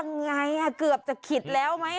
ถ้าอย่างไรจะกระบว่าจะขิดแล้วไหม